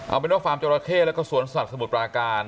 เอาเป็นว่าฟาร์มจราเข้แล้วก็สวนสัตว์สมุทรปราการ